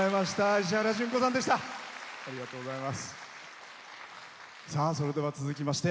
石原詢子さんでした。